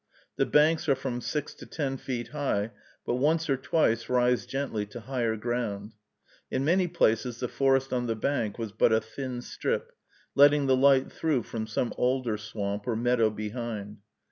The banks are from six to ten feet high, but once or twice rise gently to higher ground. In many places the forest on the bank was but a thin strip, letting the light through from some alder swamp or meadow behind.